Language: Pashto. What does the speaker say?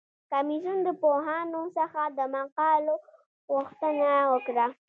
کمیسیون د پوهانو څخه د مقالو غوښتنه وکړه.